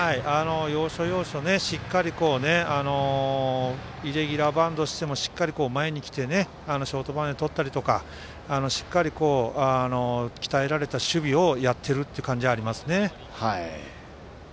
要所、要所で、しっかりイレギュラーバウンドしてもしっかり前に来てショートバウンドでとったりとかしっかり鍛えられた守備をやってるっていう感じありますね。